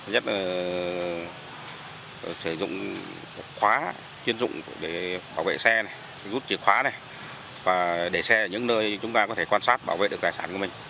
nhất là sử dụng khóa chuyên dụng để bảo vệ xe rút chìa khóa này và để xe ở những nơi chúng ta có thể quan sát bảo vệ được tài sản của mình